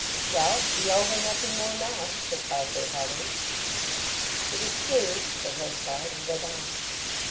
"Well, ye owe her nothing more now," said Farfrae heartily. "It is true," said Henchard, and went on.